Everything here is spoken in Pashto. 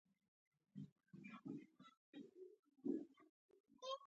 • صداقت د ایمان رڼا ده.